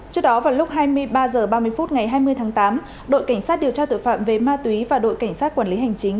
trước đó vào lúc hai mươi ba h ba mươi phút ngày hai mươi tháng tám đội cảnh sát điều tra tội phạm về ma túy và đội cảnh sát quản lý hành chính